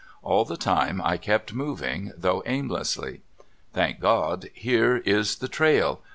All the time I kept mov ing, though aimlessly. Thank God, here is the trail